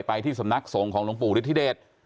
ไปที่สำนักสงฆ์ของหลวงปู่ฤทธิเดช